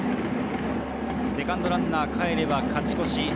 セカンドランナーがかえれば勝ち越し。